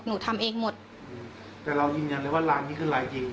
ทำเองหมดแต่เรายืนยันเลยว่าลายนี้คือลายจริง